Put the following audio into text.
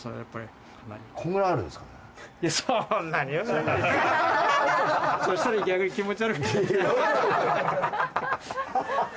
そしたら逆に気持ち悪い。